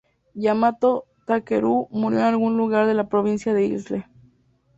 Yamato Takeru murió en algún lugar de la provincia de Ise.